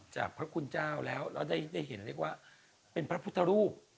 จากพระคุณเจ้าแล้วเราได้เห็นว่าเป็นพระพุทธรูป